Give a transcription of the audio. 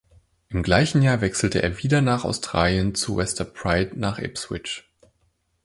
Im gleichen Jahr wechselte er wieder nach Australien zu Western Pride nach Ipswich.